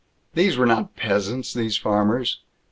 These were not peasants, these farmers.